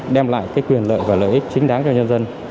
đem lại quyền lợi và lợi ích chính đáng cho nhân dân